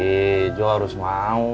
ih jok harus mau